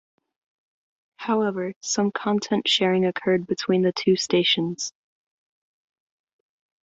However, some content sharing occurred between the two stations.